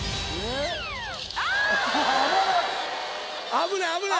危ない危ない！